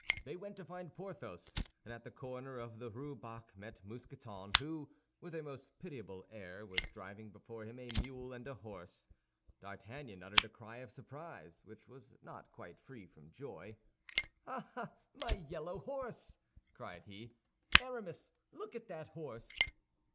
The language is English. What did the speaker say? They went to find Porthos, and at the corner of the Rue Bac met Mousqueton, who, with a most pitiable air, was driving before him a mule and a horse. D'Artagnan uttered a cry of surprise, which was not quite free from joy. "Ah, my yellow horse," cried he. "Aramis, look at that horse!"